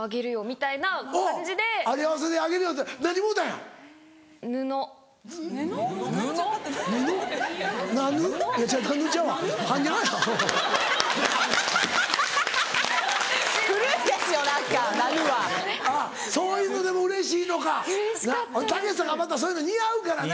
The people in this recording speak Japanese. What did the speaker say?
たけしさんがまたそういうの似合うからな。